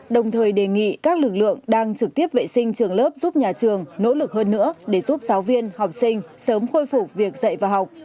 đồng thời đề nghị các lực lượng đang trực tiếp vệ sinh trường lớp giúp nhà trường nỗ lực hơn nữa để giúp giáo viên học sinh sớm khôi phục việc dạy và học